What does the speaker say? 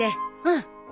うん。